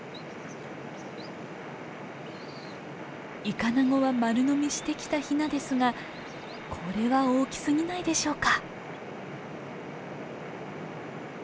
イカナゴは丸のみしてきたヒナですがこれは大きすぎないでしょうか？